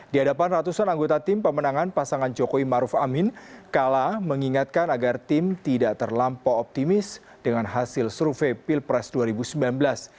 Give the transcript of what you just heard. di hadapan ratusan anggota tim pemenangan pasangan jokowi maruf amin kala mengingatkan agar tim tidak terlampau optimis dengan hasil survei pilpres dua ribu sembilan belas